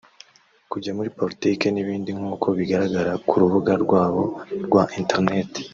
kujya muri politiki n’ibindi nk’uko bigaragara ku rubuga rwabo rwa interineti